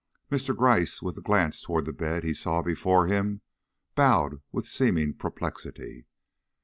Mr. Gryce, with a glance toward the bed he saw before him, bowed with seeming perplexity.